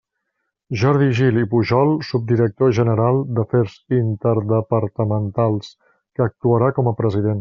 Jordi Gil i Pujol, subdirector general d'Afers Interdepartamentals, que actuarà com a president.